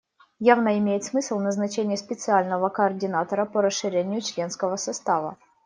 Явно имеет смысл назначение специального координатора по расширению членского состава.